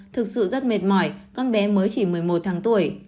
thực sự rất mệt mỏi con bé mới chỉ một mươi một tháng tuổi